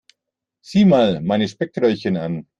Sieh mal meine Speckröllchen an.